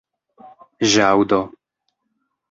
ĵaŭdo